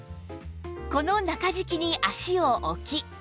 この中敷きに足を置き